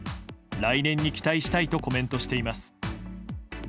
来年に期待したいとコメントしています。